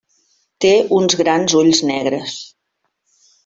Té uns grans ulls negres.